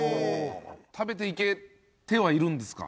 食べていけてはいるんですか？